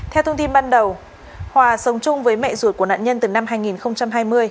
theo thông tin ban đầu hòa sống chung với mẹ ruột của nạn nhân từ năm hai nghìn hai mươi